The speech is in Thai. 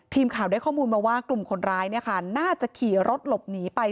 ทีมข่าวได้ข้อมูลมาว่ากลุ่มคนร้ายน่าจะขี่รถหลบหนีไป